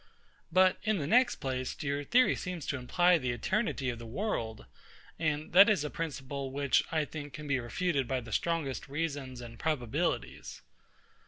But, in the next place, your theory seems to imply the eternity of the world; and that is a principle, which, I think, can be refuted by the strongest reasons and probabilities.